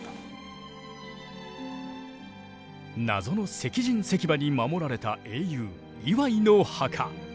謎の石人石馬に守られた英雄磐井の墓。